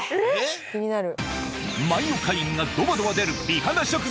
気になる。